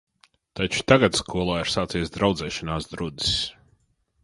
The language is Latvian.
Taču tagad skolā ir sācies draudzēšanās drudzis.